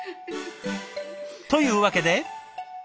というわけで！